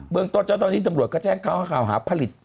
เมืองต้นเจ้าตอนนี้ตำรวจก็แจ้งเข้าข่าวหาผลิต